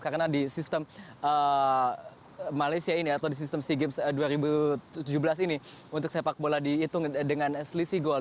karena di sistem malaysia ini atau di sistem sea games dua ribu tujuh belas ini untuk sepak bola dihitung dengan selisih gol